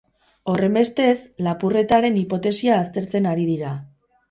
Horrenbestez, lapurretaren hipotesia aztertzen ari dira.